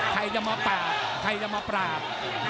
ใครจะมาปราบใครจะมาปราบ